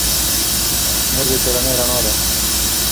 مور د کورنۍ رڼا ده.